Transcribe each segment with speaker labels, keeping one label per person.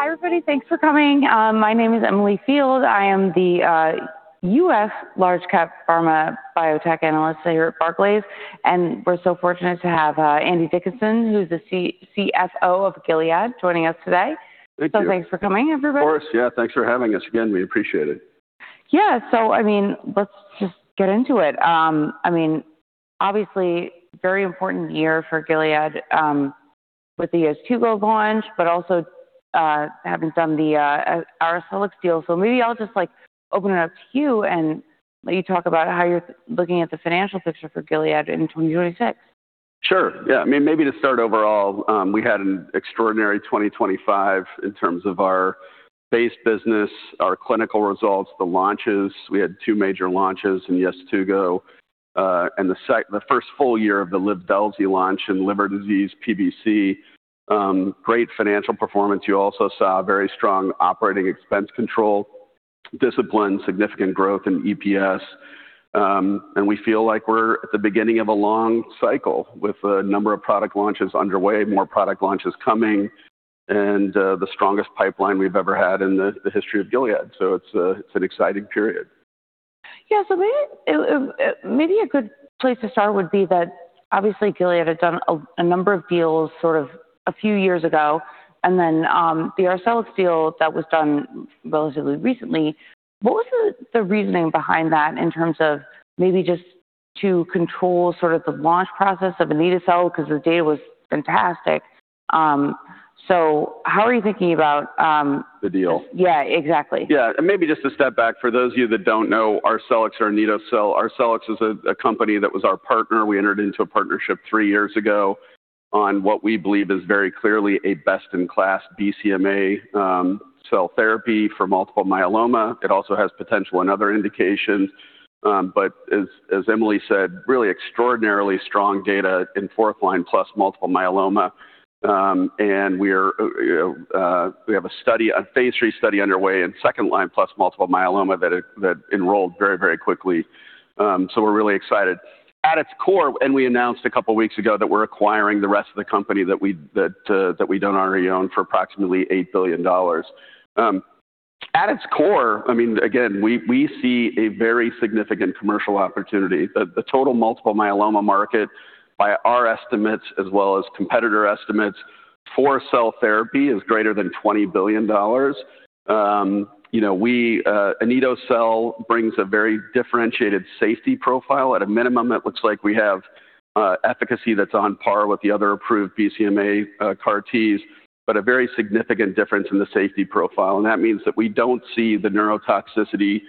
Speaker 1: Hi, everybody. Thanks for coming. My name is Emily Field. I am the U.S. Large Cap Pharma Biotech Analyst here at Barclays, and we're so fortunate to have Andrew Dickinson, who's the CFO of Gilead, joining us today.
Speaker 2: Thank you.
Speaker 1: Thanks for coming, everybody.
Speaker 2: Of course. Yeah, thanks for having us again. We appreciate it.
Speaker 1: Yeah. I mean, let's just get into it. I mean, obviously very important year for Gilead, with the YEZTUGO launch, but also, having done the Arcellx deal. Maybe I'll just, like, open it up to you and let you talk about how you're looking at the financial picture for Gilead in 2026.
Speaker 2: Sure. Yeah. I mean, maybe to start overall, we had an extraordinary 2025 in terms of our base business, our clinical results, the launches. We had two major launches in YEZTUGO, and the first full year of the LIVDELZI launch in liver disease PBC. Great financial performance. You also saw very strong operating expense control, discipline, significant growth in EPS, and we feel like we're at the beginning of a long cycle with a number of product launches underway, more product launches coming and, the strongest pipeline we've ever had in the history of Gilead. It's an exciting period.
Speaker 1: Yeah. Maybe a good place to start would be that obviously Gilead had done a number of deals sort of a few years ago, and then the Arcellx deal that was done relatively recently. What was the reasoning behind that in terms of maybe just to control sort of the launch process of anito-cel? 'Cause the data was fantastic. How are you thinking about?
Speaker 2: The deal?
Speaker 1: Yeah, exactly.
Speaker 2: Yeah. Maybe just to step back, for those of you that don't know Arcellx or anito-cel, Arcellx is a company that was our partner. We entered into a partnership three years ago on what we believe is very clearly a best-in-class BCMA cell therapy for multiple myeloma. It also has potential in other indications. But as Emily said, really extraordinarily strong data in fourth line plus multiple myeloma. We're you know we have a study, a phase three study underway in second line plus multiple myeloma that enrolled very, very quickly. So we're really excited. We announced a couple weeks ago that we're acquiring the rest of the company that we don't already own for approximately $8 billion. At its core, I mean, again, we see a very significant commercial opportunity. The total multiple myeloma market by our estimates as well as competitor estimates for cell therapy is greater than $20 billion. You know, anito-cel brings a very differentiated safety profile. At a minimum, it looks like we have efficacy that's on par with the other approved BCMA CAR T, but a very significant difference in the safety profile, and that means that we don't see the neurotoxicity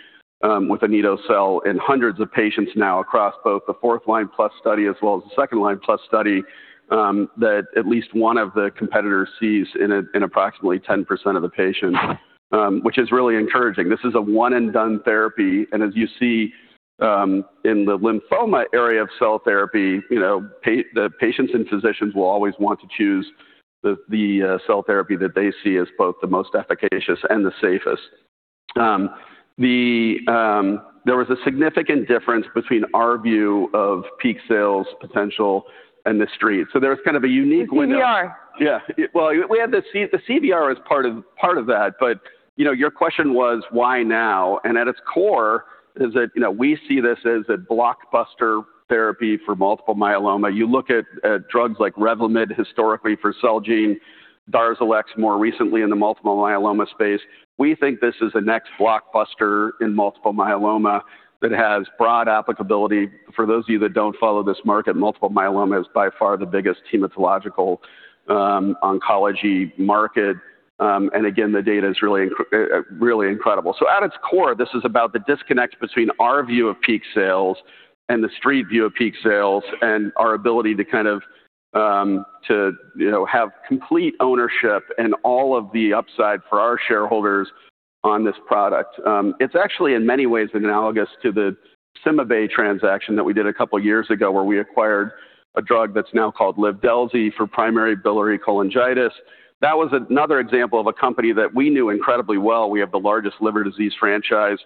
Speaker 2: with anito-cel in hundreds of patients now across both the fourth line plus study as well as the second line plus study that at least one of the competitors sees in approximately 10% of the patients, which is really encouraging. This is a one and done therapy, and as you see in the lymphoma area of cell therapy, you know, the patients and physicians will always want to choose the cell therapy that they see as both the most efficacious and the safest. There was a significant difference between our view of peak sales potential and the street. There was kind of a unique window.
Speaker 1: The CVR.
Speaker 2: Yeah. Well, the CVR is part of that, but, you know, your question was why now? At its core is that, you know, we see this as a blockbuster therapy for multiple myeloma. You look at drugs like REVLIMID historically for Celgene, DARZALEX more recently in the multiple myeloma space. We think this is the next blockbuster in multiple myeloma that has broad applicability. For those of you that don't follow this market, multiple myeloma is by far the biggest hematological oncology market. Again, the data is really incredible. At its core, this is about the disconnect between our view of peak sales and the street view of peak sales and our ability to kind of to you know have complete ownership and all of the upside for our shareholders on this product. It's actually in many ways analogous to the CymaBay transaction that we did a couple years ago, where we acquired a drug that's now called LIVDELZI for primary biliary cholangitis. That was another example of a company that we knew incredibly well. We have the largest liver disease franchise.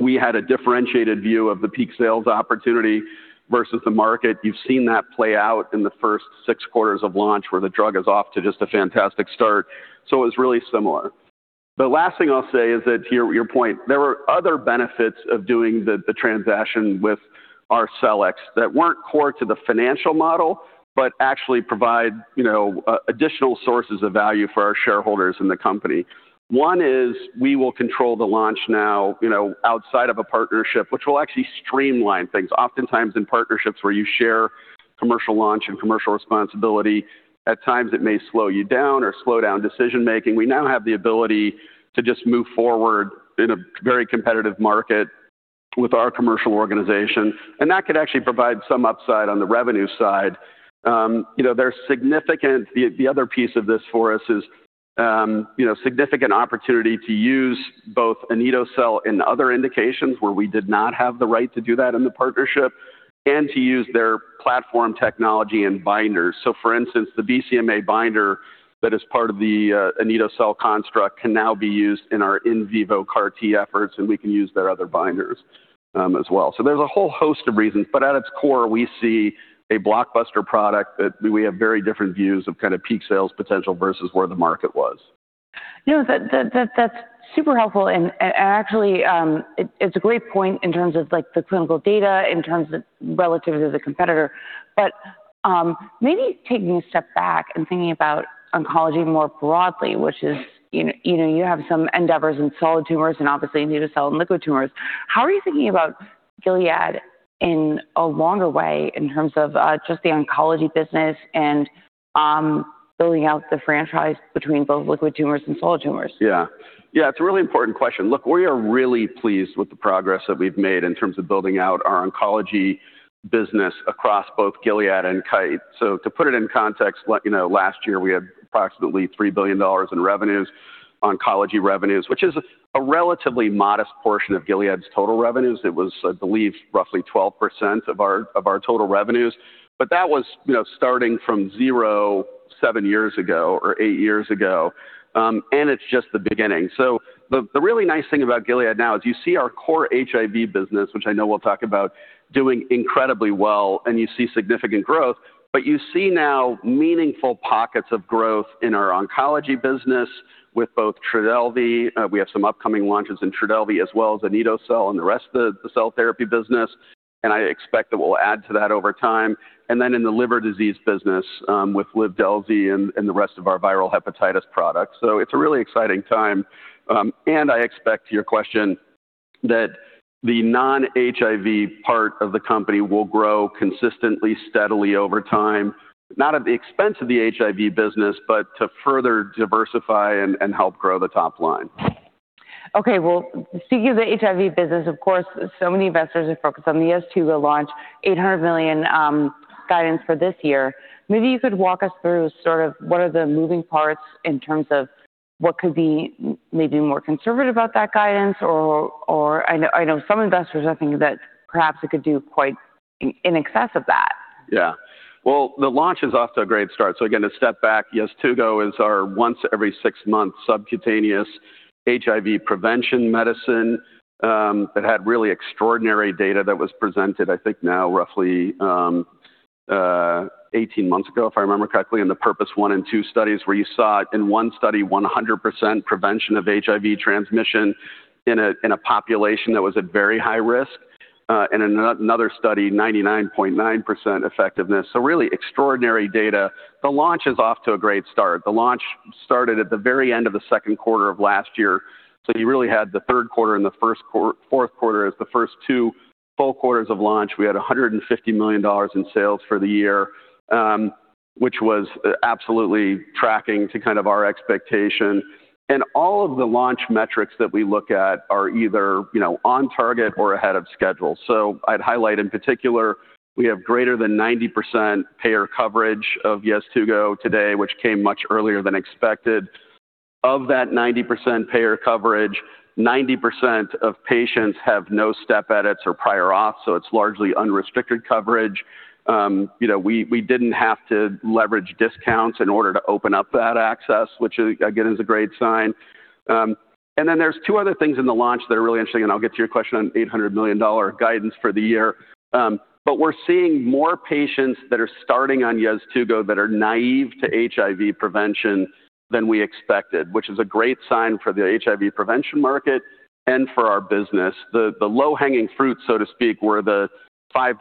Speaker 2: We had a differentiated view of the peak sales opportunity versus the market. You've seen that play out in the first six quarters of launch, where the drug is off to just a fantastic start. It's really similar. The last thing I'll say is that to your point, there were other benefits of doing the transaction with Arcellx that weren't core to the financial model but actually provide you know additional sources of value for our shareholders in the company. One is we will control the launch now, you know, outside of a partnership, which will actually streamline things. Oftentimes in partnerships where you share commercial launch and commercial responsibility, at times it may slow you down or slow down decision-making. We now have the ability to just move forward in a very competitive market with our commercial organization, and that could actually provide some upside on the revenue side. The other piece of this for us is, you know, significant opportunity to use both anito-cel in other indications where we did not have the right to do that in the partnership and to use their platform technology and binders. For instance, the BCMA binder that is part of the anito-cel construct can now be used in our in vivo CAR T efforts, and we can use their other binders as well. There's a whole host of reasons, but at its core we see a blockbuster product that we have very different views of kind of peak sales potential versus where the market was.
Speaker 1: You know, that's super helpful. Actually, it's a great point in terms of like the clinical data, in terms of relative to the competitor. Maybe taking a step back and thinking about oncology more broadly, you have some endeavors in solid tumors and obviously need to sell in liquid tumors. How are you thinking about Gilead in a longer way in terms of, just the oncology business and, building out the franchise between both liquid tumors and solid tumors?
Speaker 2: Yeah. Yeah, it's a really important question. Look, we are really pleased with the progress that we've made in terms of building out our oncology business across both Gilead and Kite. To put it in context, like, you know, last year we had approximately $3 billion in revenues, oncology revenues, which is a relatively modest portion of Gilead's total revenues. It was, I believe, roughly 12% of our total revenues. That was, you know, starting from zero seven years ago or eight years ago, and it's just the beginning. The really nice thing about Gilead now is you see our core HIV business, which I know we'll talk about doing incredibly well, and you see significant growth. You see now meaningful pockets of growth in our oncology business with both TRODELVY. We have some upcoming launches in TRODELVY as well as anito-cel and the rest of the cell therapy business, and I expect that we'll add to that over time. Then in the liver disease business, with LIVDELZI and the rest of our viral hepatitis products. It's a really exciting time. I expect, to your question, that the non-HIV part of the company will grow consistently, steadily over time, not at the expense of the HIV business, but to further diversify and help grow the top line.
Speaker 1: Well, speaking of the HIV business, of course, so many investors are focused on the YEZTUGO launch $800 million guidance for this year. Maybe you could walk us through sort of what are the moving parts in terms of what could be maybe more conservative about that guidance or I know some investors are thinking that perhaps it could do quite in excess of that.
Speaker 2: Yeah. Well, the launch is off to a great start. Again, to step back, YEZTUGO is our once every six month subcutaneous HIV prevention medicine that had really extraordinary data that was presented, I think now roughly 18 months ago, if I remember correctly, in the PURPOSE 1 and 2 studies where you saw in one study 100% prevention of HIV transmission in a population that was at very high risk. And in another study, 99.9% effectiveness. Really extraordinary data. The launch is off to a great start. The launch started at the very end of the second quarter of last year. You really had the third quarter and the fourth quarter as the first two full quarters of launch. We had $150 million in sales for the year, which was absolutely tracking to kind of our expectation. All of the launch metrics that we look at are either, you know, on target or ahead of schedule. I'd highlight in particular, we have greater than 90% payer coverage of YEZTUGO today, which came much earlier than expected. Of that 90% payer coverage, 90% of patients have no step edits or prior auth, so it's largely unrestricted coverage. You know, we didn't have to leverage discounts in order to open up that access, which again, is a great sign. Then there's two other things in the launch that are really interesting, and I'll get to your question on $800 million guidance for the year. We're seeing more patients that are starting on YEZTUGO that are naive to HIV prevention than we expected, which is a great sign for the HIV prevention market and for our business. The low-hanging fruit, so to speak, were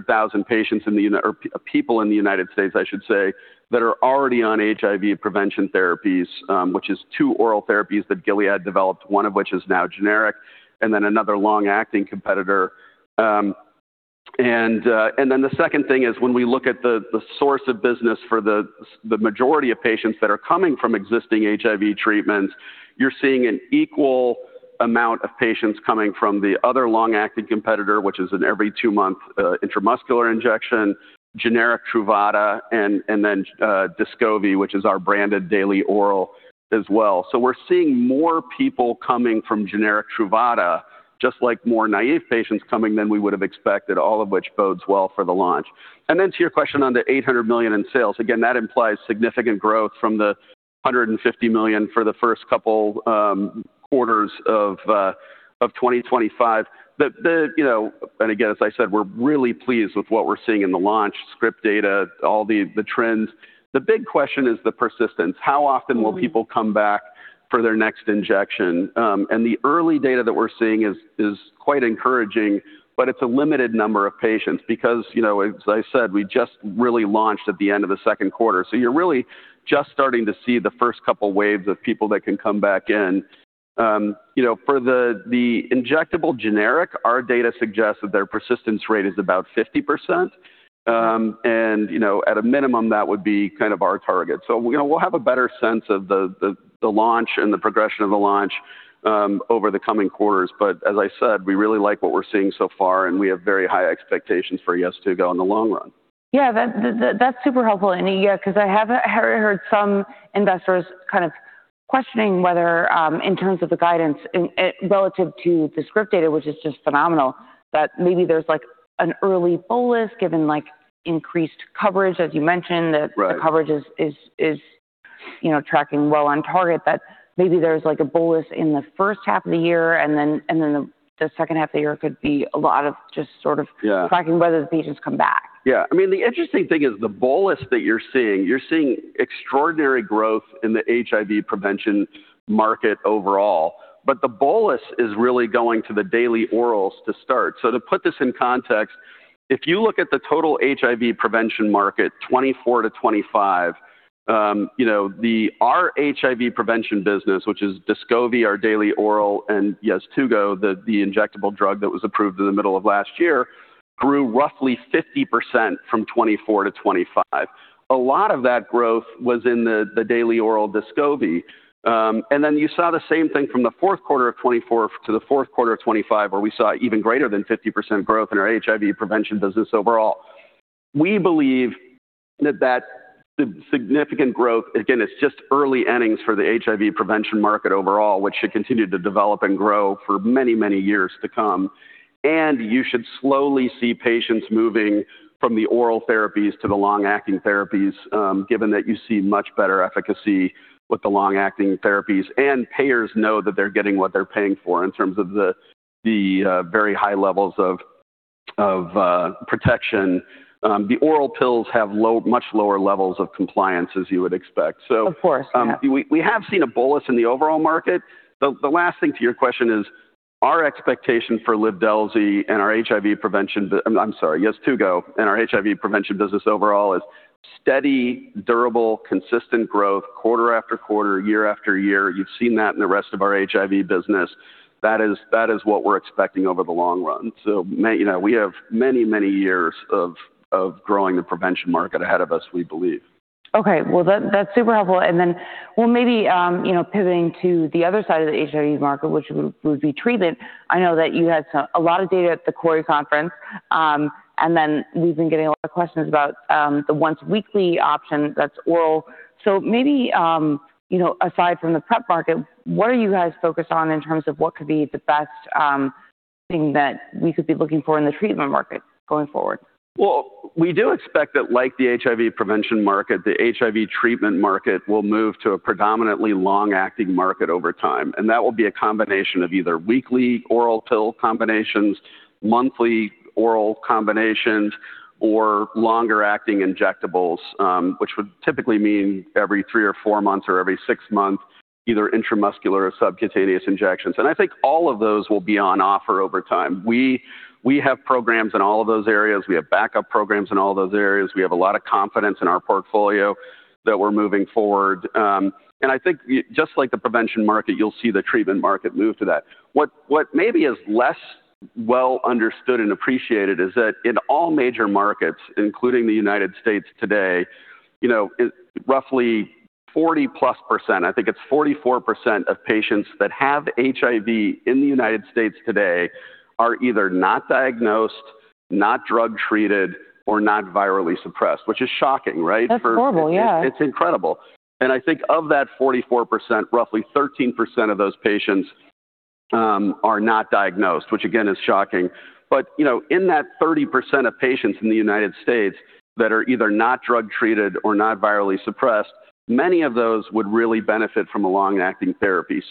Speaker 2: the 500,000-600,000 patients or people in the United States, I should say, that are already on HIV prevention therapies, which is two oral therapies that Gilead developed, one of which is now generic, and then another long-acting competitor. Then the second thing is when we look at the source of business for the majority of patients that are coming from existing HIV treatments, you're seeing an equal amount of patients coming from the other long-acting competitor, which is an every two-month intramuscular injection, generic Truvada and DESCOVY, which is our branded daily oral as well. We're seeing more people coming from generic Truvada, just like more naive patients coming than we would've expected, all of which bodes well for the launch. To your question on the $800 million in sales, again, that implies significant growth from the $150 million for the first couple quarters of 2025. You know. Again, as I said, we're really pleased with what we're seeing in the launch script data, all the trends. The big question is the persistence. How often will people come back for their next injection? The early data that we're seeing is quite encouraging, but it's a limited number of patients because, you know, as I said, we just really launched at the end of the second quarter. You're really just starting to see the first couple waves of people that can come back in. You know, for the injectable generic, our data suggests that their persistence rate is about 50%. At a minimum, that would be kind of our target. You know, we'll have a better sense of the launch and the progression of the launch over the coming quarters. As I said, we really like what we're seeing so far, and we have very high expectations for YEZTUGO in the long run.
Speaker 1: Yeah. That's super helpful. Yeah, 'cause I have heard some investors kind of questioning whether in terms of the guidance and relative to the script data, which is just phenomenal, that maybe there's like an early bolus given like increased coverage, as you mentioned.
Speaker 2: Right.
Speaker 1: You know, tracking well on target. That maybe there's like a bolus in the first half of the year and then the second half of the year could be a lot of just sort of.
Speaker 2: Yeah.
Speaker 1: Tracking whether the patients come back.
Speaker 2: Yeah. I mean, the interesting thing is the bolus that you're seeing, extraordinary growth in the HIV prevention market overall. The bolus is really going to the daily orals to start. To put this in context, if you look at the total HIV prevention market, 2024-2025, our HIV prevention business, which is DESCOVY, our daily oral, and yes, YEZTUGO, the injectable drug that was approved in the middle of last year, grew roughly 50% from 2024-2025. A lot of that growth was in the daily oral DESCOVY. You saw the same thing from the fourth quarter of 2024 to the fourth quarter of 2025, where we saw even greater than 50% growth in our HIV prevention business overall. We believe that significant growth, again, it's just early innings for the HIV prevention market overall, which should continue to develop and grow for many, many years to come. You should slowly see patients moving from the oral therapies to the long-acting therapies, given that you see much better efficacy with the long-acting therapies, and payers know that they're getting what they're paying for in terms of the very high levels of protection. The oral pills have low-much lower levels of compliance, as you would expect.
Speaker 1: Of course. Yeah.
Speaker 2: We have seen a bolus in the overall market. The last thing to your question is our expectation for LIVDELZI and YEZTUGO and our HIV prevention business overall is steady, durable, consistent growth quarter after quarter, year after year. You've seen that in the rest of our HIV business. That is what we're expecting over the long run. You know, we have many, many years of growing the prevention market ahead of us, we believe.
Speaker 1: Okay. Well, that's super helpful. Well, maybe, you know, pivoting to the other side of the HIV market, which would be treatment. I know that you had a lot of data at the CROI Conference, and we've been getting a lot of questions about the once weekly option that's oral. Maybe, you know, aside from the prep market, what are you guys focused on in terms of what could be the best thing that we could be looking for in the treatment market going forward?
Speaker 2: Well, we do expect that like the HIV prevention market, the HIV treatment market will move to a predominantly long-acting market over time. That will be a combination of either weekly oral pill combinations, monthly oral combinations, or longer-acting injectables, which would typically mean every three or four months or every six months, either intramuscular or subcutaneous injections. I think all of those will be on offer over time. We have programs in all of those areas. We have backup programs in all those areas. We have a lot of confidence in our portfolio that we're moving forward. I think just like the prevention market, you'll see the treatment market move to that. What maybe is less well understood and appreciated is that in all major markets, including the United States today, you know, roughly 40+%, I think it's 44% of patients that have HIV in the United States today are either not diagnosed, not drug-treated or not virally suppressed, which is shocking, right?
Speaker 1: That's horrible. Yeah.
Speaker 2: It's incredible. I think of that 44%, roughly 13% of those patients are not diagnosed, which again, is shocking. You know, in that 30% of patients in the United States that are either not drug-treated or not virally suppressed, many of those would really benefit from a long-acting therapy.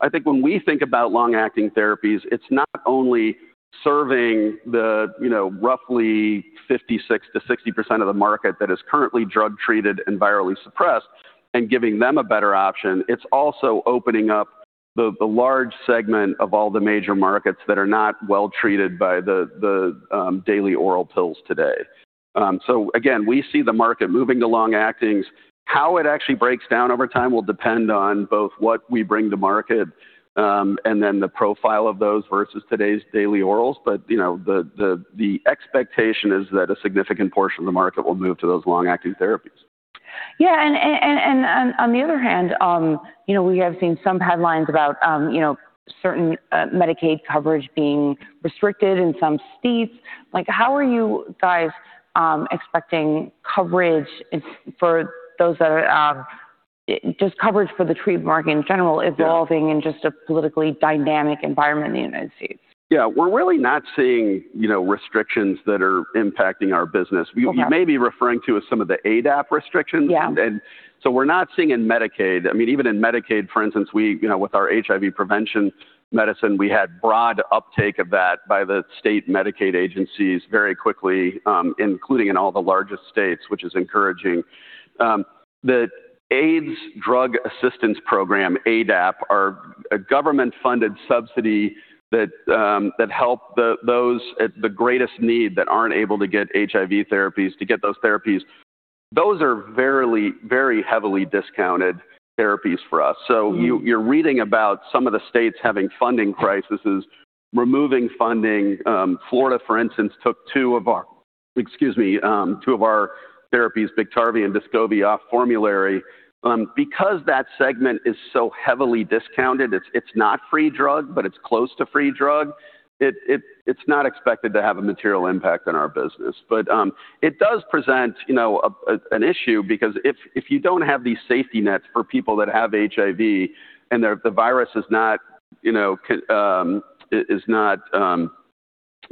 Speaker 2: I think when we think about long-acting therapies, it's not only serving the, you know, roughly 56%-60% of the market that is currently drug-treated and virally suppressed and giving them a better option. It's also opening up the large segment of all the major markets that are not well treated by the daily oral pills today. Again, we see the market moving to long actings. How it actually breaks down over time will depend on both what we bring to market, and then the profile of those versus today's daily orals. You know, the expectation is that a significant portion of the market will move to those long-acting therapies.
Speaker 1: Yeah. On the other hand, you know, we have seen some headlines about, you know, certain Medicaid coverage being restricted in some states. Like, how are you guys expecting coverage for those that are just coverage for the treatment market in general evolving?
Speaker 2: Yeah.
Speaker 1: In just a politically dynamic environment in the United States?
Speaker 2: Yeah. We're really not seeing, you know, restrictions that are impacting our business.
Speaker 1: Okay.
Speaker 2: You may be referring to some of the ADAP restrictions.
Speaker 1: Yeah.
Speaker 2: We're not seeing in Medicaid. I mean, even in Medicaid, for instance, we, you know, with our HIV prevention medicine, we had broad uptake of that by the state Medicaid agencies very quickly, including in all the largest states, which is encouraging. The AIDS Drug Assistance Program, ADAP, are a government-funded subsidy that help those at the greatest need that aren't able to get HIV therapies to get those therapies. Those are very, very heavily discounted therapies for us.
Speaker 1: Mm-hmm.
Speaker 2: You're reading about some of the states having funding crises, removing funding. Florida, for instance, took two of our therapies, BIKTARVY and DESCOVY, off formulary. Because that segment is so heavily discounted, it's not free drug, but it's close to free drug. It's not expected to have a material impact on our business. It does present, you know, an issue because if you don't have these safety nets for people that have HIV and the virus is not, you know,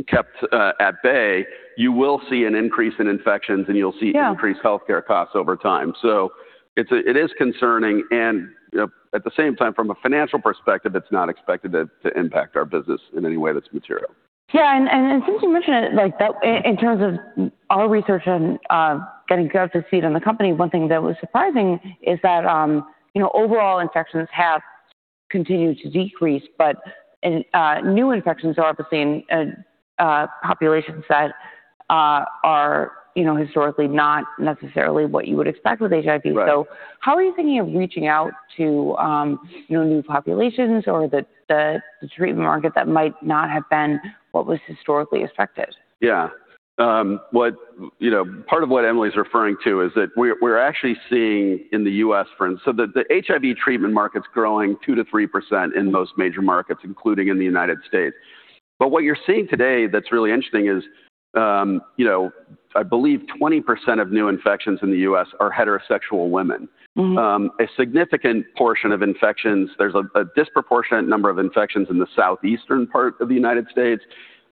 Speaker 2: kept at bay, you will see an increase in infections, and you'll see.
Speaker 1: Yeah
Speaker 2: increased healthcare costs over time. It's, it is concerning and, you know, at the same time, from a financial perspective, it's not expected to impact our business in any way that's material.
Speaker 1: Yeah, since you mentioned it like that, in terms of our research and getting a driver's seat in the company, one thing that was surprising is that you know, overall infections have continued to decrease, but new infections are obviously in populations that are you know, historically not necessarily what you would expect with HIV.
Speaker 2: Right.
Speaker 1: How are you thinking of reaching out to, you know, new populations or the treatment market that might not have been what was historically affected?
Speaker 2: Yeah. You know, part of what Emily's referring to is that we're actually seeing in the U.S., for instance. The HIV treatment market's growing 2%-3% in most major markets, including in the United States. What you're seeing today that's really interesting is, you know, I believe 20% of new infections in the U.S. are heterosexual women.
Speaker 1: Mm-hmm.
Speaker 2: A significant portion of infections. There's a disproportionate number of infections in the southeastern part of the United States,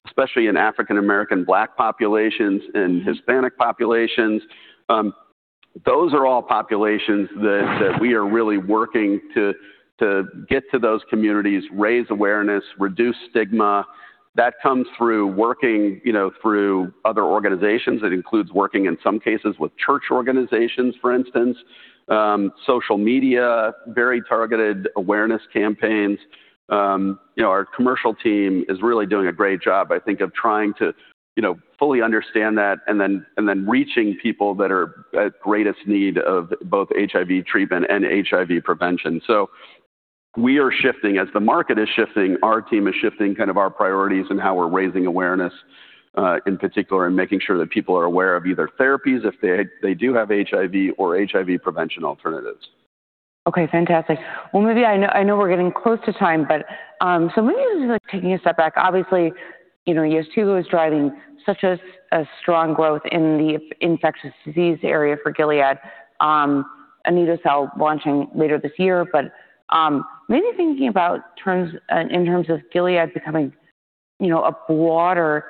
Speaker 2: especially in African American Black populations.
Speaker 1: Mm-hmm
Speaker 2: Hispanic populations. Those are all populations that we are really working to get to those communities, raise awareness, reduce stigma. That comes through working, you know, through other organizations. That includes working, in some cases, with church organizations, for instance, social media, very targeted awareness campaigns. You know, our commercial team is really doing a great job, I think, of trying to, you know, fully understand that and then reaching people that are at greatest need of both HIV treatment and HIV prevention. We are shifting. As the market is shifting, our team is shifting kind of our priorities and how we're raising awareness, in particular, and making sure that people are aware of either therapies if they do have HIV or HIV prevention alternatives.
Speaker 1: Okay. Fantastic. Well, maybe I know we're getting close to time, but so maybe just like taking a step back. Obviously, you know, BIKTARVY is driving such a strong growth in the infectious disease area for Gilead. Anito-cel launching later this year, but maybe thinking about terms in terms of Gilead becoming, you know, a broader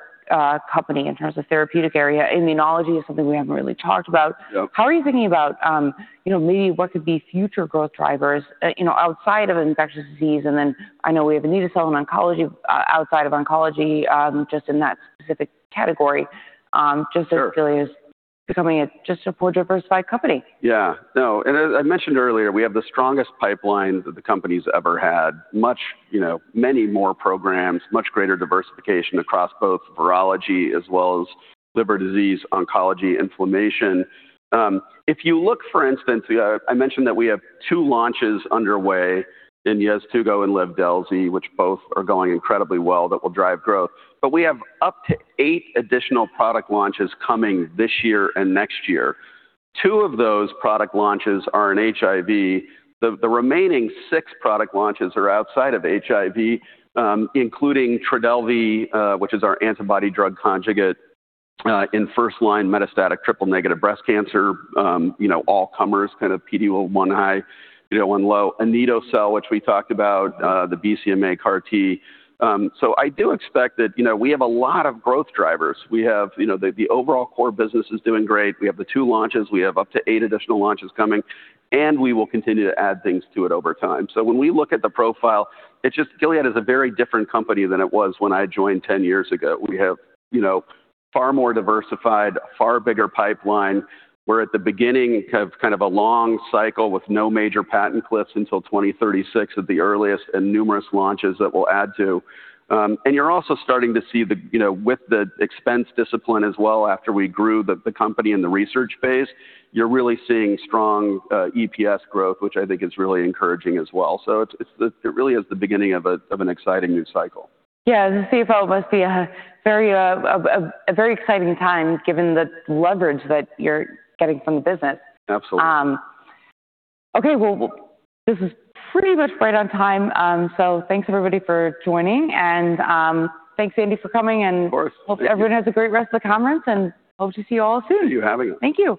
Speaker 1: company in terms of therapeutic area. Immunology is something we haven't really talked about.
Speaker 2: Yep.
Speaker 1: How are you thinking about, you know, maybe what could be future growth drivers, you know, outside of infectious disease? Then I know we have anito-cel in oncology, outside of oncology, just in that specific category.
Speaker 2: Sure...
Speaker 1: just as Gilead is becoming a more diversified company.
Speaker 2: Yeah. No, as I mentioned earlier, we have the strongest pipeline that the company's ever had. Many more programs, much greater diversification across both virology as well as liver disease, oncology, inflammation. If you look, for instance, I mentioned that we have two launches underway in YEZTUGO and LIVDELZI, which both are going incredibly well, that will drive growth. We have up to eight additional product launches coming this year and next year. Two of those product launches are in HIV. The remaining six product launches are outside of HIV, including TRODELVY which is our antibody drug conjugate in first-line metastatic triple-negative breast cancer, you know, all comers, kind of PD-L1 high, you know, low. Anito-cel, which we talked about, the BCMA CAR T. I do expect that, you know, we have a lot of growth drivers. We have, you know, the overall core business is doing great. We have the two launches. We have up to eight additional launches coming, and we will continue to add things to it over time. When we look at the profile, it's just Gilead is a very different company than it was when I joined 10 years ago. We have, you know, far more diversified, far bigger pipeline. We're at the beginning of kind of a long cycle with no major patent cliffs until 2036 at the earliest and numerous launches that we'll add to. You're also starting to see the, you know, with the expense discipline as well, after we grew the company in the research phase, you're really seeing strong EPS growth, which I think is really encouraging as well. It really is the beginning of an exciting new cycle.
Speaker 1: Yeah. As a CFO, it must be a very exciting time, given the leverage that you're getting from the business.
Speaker 2: Absolutely.
Speaker 1: Okay. Well, this is pretty much right on time. Thanks everybody for joining, and thanks, Andy, for coming.
Speaker 2: Of course. Thank you.
Speaker 1: Hope everyone has a great rest of the conference, and hope to see you all soon.
Speaker 2: Thank you. Have a good one.
Speaker 1: Thank you.